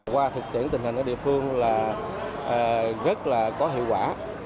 qua thực tiễn tình hình ở địa phương là rất là có hiệu quả